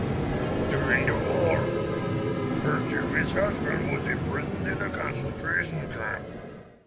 During the war, her Jewish husband was imprisoned in a concentration camp.